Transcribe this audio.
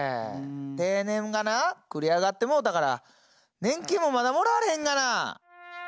定年がな繰り上がってもうたから年金もまだもらわれへんがな！